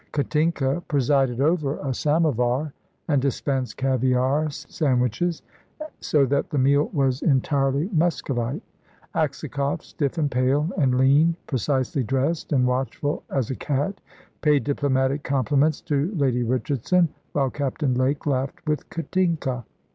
Katinka presided over a samovar, and dispensed caviare sandwiches, so that the meal was entirely Muscovite. Aksakoff, stiff and pale and lean, precisely dressed and watchful as a cat, paid diplomatic compliments to Lady Richardson, while Captain Lake laughed with Katinka.